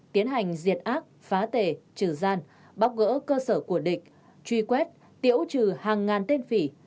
tiến hành diệt ác phá tề trừ gian bóc gỡ cơ sở của địch truy quét tiễu trừ hàng ngàn tên phỉ